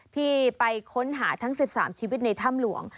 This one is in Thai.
ที่ไปค้นหาทั้ง๑๓ชีวิตในถ้ำหลวง